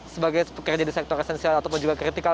sebagai pekerja di sektor esensial ataupun juga kritikal